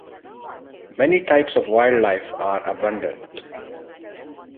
Many types of wildlife are abundant.